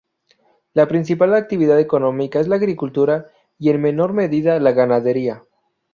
La principal actividad económica es la agricultura y en menor medida la ganadería.